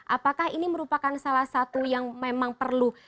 apakah ini merupakan salah satu yang memang perlu